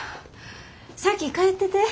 先帰ってて。